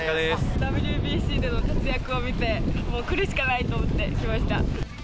ＷＢＣでの活躍を見て、もう来るしかないと思って来ました。